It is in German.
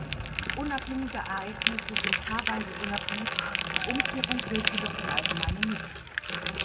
Unabhängige Ereignisse sind paarweise unabhängig, die Umkehrung gilt jedoch im Allgemeinen nicht.